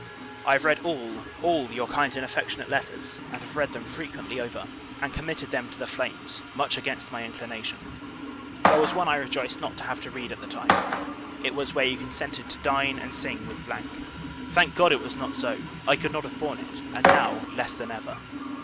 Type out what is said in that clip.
I have read all, all, your kind and affectionate letters: and have read them frequently over; and committed them to the flames, much against my inclination. There was one I rejoiced not to have read at the time. It was, where you consented to dine and sing with . Thank God, it was not so! I could not have borne it; and, now, less than ever.